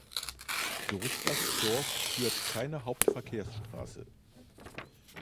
Durch das Dorf führt keine Hauptverkehrsstraße.